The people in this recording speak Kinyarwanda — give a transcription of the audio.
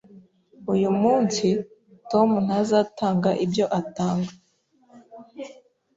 Uyu munsi, Tom ntazatanga ibyo atanga